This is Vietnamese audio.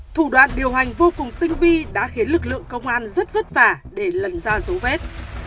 thủ đoạn điều hành vô cùng tinh vi đã khiến lực lượng công an rất vất vả để lần ra dấu vết